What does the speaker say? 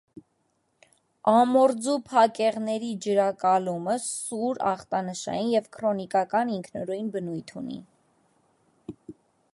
Ամորձու փակեղների ջրակալումը սուր (ախտանշային) և քրոնիկական (ինքնուրույն) բնույթ ունի։